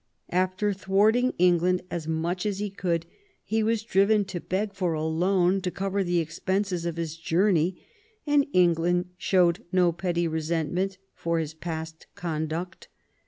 After thwarting England as much as he could, he was driven to beg for a loan to cover the expenses of his journey, and England showed no petty resentment for his past conduct.